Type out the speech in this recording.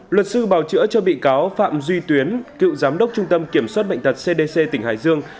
luật sư bào chữa cho bị cáo phạm duy tuyến cựu giám đốc trung tâm kiểm soát bệnh tật cdc tỉnh hải dương